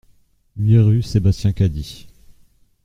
huit rue Sébastien Cady